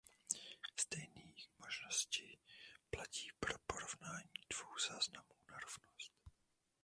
Stejný možnosti platí pro porovnání dvou záznamů na rovnost.